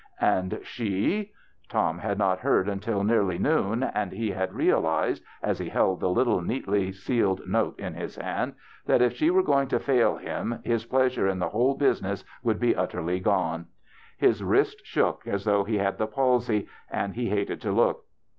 And she ? Tom had not heard until nearly noon, and he had realized, as he held the little neatly sealed note in his hand, that if she were going to fail him his pleasure in the whole business would be utterl}^ gone. His wrist shook as though he had the palsy, and he hated to look.